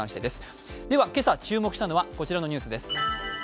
では今朝注目したのはこちらのニュースです。